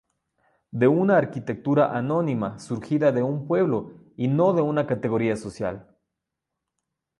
De una arquitectura anónima surgida de un pueblo y no de una categoría social.